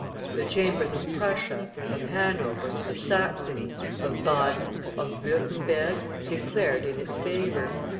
The Chambers of Prussia, of Hanover, of Saxony, of Baden, of Würtemberg, declared in its favor.